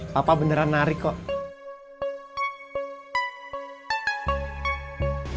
papa beneran narik kok